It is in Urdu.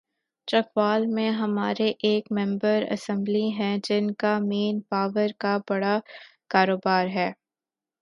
چکوال میں ہمارے ایک ممبر اسمبلی ہیں‘ جن کا مین پاور کا بڑا کاروبار ہے۔